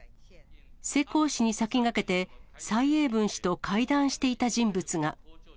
世耕氏に先駆けて、蔡英文氏と会談していた人物が。